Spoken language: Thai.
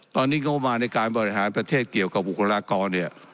ตอนนี้งบประมาณในการบริหารประเทศเกี่ยวกับบุคลากรเนี่ย